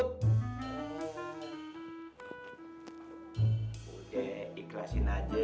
sudah ikhlasin saja